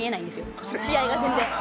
試合が全然。